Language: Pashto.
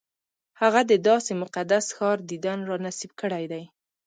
هغه د داسې مقدس ښار دیدن را نصیب کړی دی.